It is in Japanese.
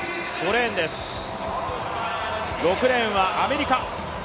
６レーンはアメリカ。